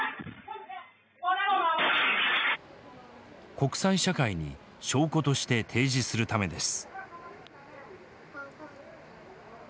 国際社会に証拠として提示するためです。